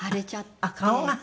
あっ顔が？